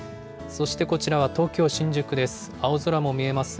そしてこちらは東京・新宿です。